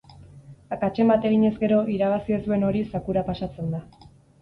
Akatsen bat eginez gero, irabazi ez duen hori zakura pasatzen da.